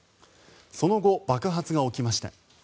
その後、爆発が起きました。